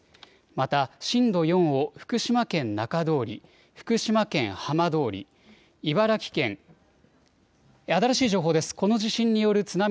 また震度４を福島県中通り、福島県浜通り、茨城県、新しい情報です。